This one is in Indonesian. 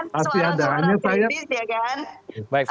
yang benar ada upaya yang penting itu